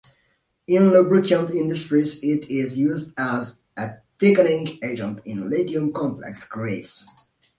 In lubricant industries it is used as a thickening agent in lithium complex grease.